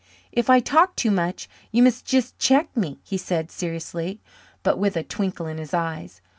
"If I talk too much you must jest check me," he said seriously, but with a twinkle in his eyes.